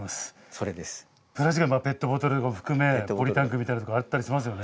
ペットボトルを含めポリタンクみたいのとかあったりしますよね。